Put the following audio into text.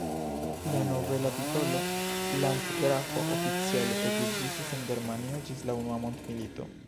La nobela titolo "landgrafo" oficiale ekzistis en Germanio ĝis la Unua Mondmilito.